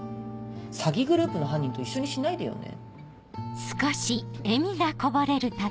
詐欺グループの犯人と一緒にしないでよね。